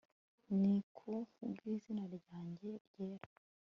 ni ku bw izina ryanjye ryera